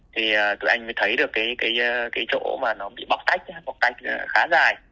thì tụi anh mới thấy được cái chỗ mà nó bị bọc tách khá dài